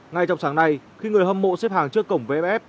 ngay trong sáng nay khi người hâm mộ xếp hàng trước cổng vmf